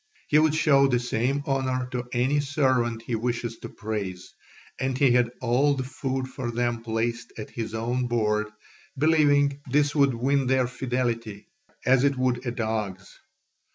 He would show the same honour to any servant he wished to praise; and he had all the food for them placed at his own board, believing this would win their fidelity, as it would a dog's.